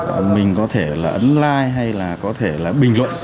ấn like hay là có thể là bình luận